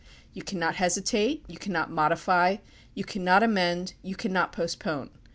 You cannot hesitate, you cannot modify, you cannot amend, you cannot postpone.